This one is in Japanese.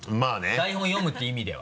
台本読むって意味では。